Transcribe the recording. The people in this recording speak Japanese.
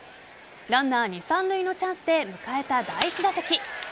ランナー二・三塁のチャンスで迎えた、第１打席。